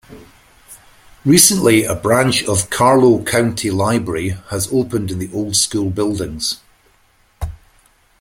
Recently a branch of Carlow County Library has opened in the old school buildings.